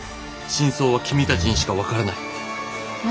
「真相は君たちにしかわからない」。